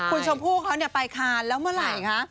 คุณชมพู่เขาไปคานแล้วเมื่อไหร่คะ